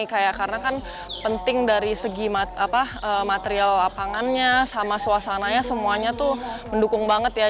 karena kan penting dari segi material lapangannya sama suasananya semuanya tuh mendukung banget ya